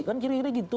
kan kira kira gitu